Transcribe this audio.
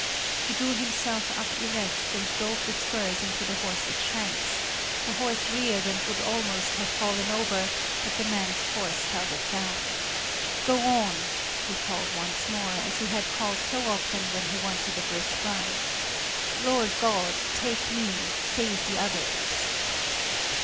He drew himself up erect, and drove the spurs into his horse's shanks; the horse reared and would almost have fallen over, but the man's force held it down. "Go on!" he called once more, as he had called so often when he wanted a brisk ride. "Lord God, take me, save the others!"